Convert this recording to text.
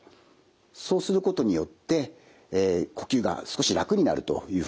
そうすることによって呼吸が少し楽になるというふうなことになります。